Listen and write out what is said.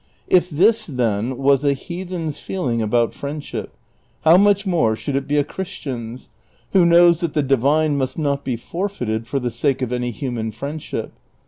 If this, then, was a heathen's feeling about friendship, how much more should it be a Christian's, who knows that the divine must not be forfeited for the sake of any human friendship